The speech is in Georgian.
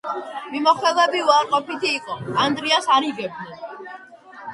მიმოხილვები უარყოფითი იყო.